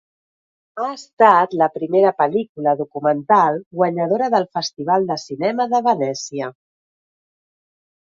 Ha estat la primera pel·lícula documental guanyadora del Festival de Cinema de Venècia.